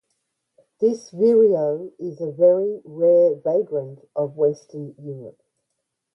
This vireo is a very rare vagrant to western Europe.